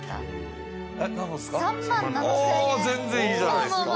全然いいじゃないですか。